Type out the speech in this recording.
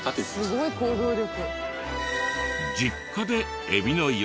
すごい行動力。